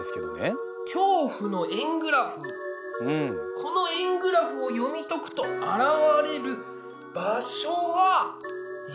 この円グラフを読み解くと現れる場所は？えっ？